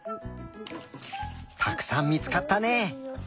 たくさん見つかったね！